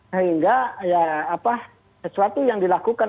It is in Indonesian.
sehingga sesuatu yang dilakukan